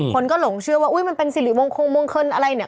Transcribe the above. คนก็หลงเชื่อว่าอุ๊ยมันเป็นสิริมงคงมงคลอะไรเนี่ย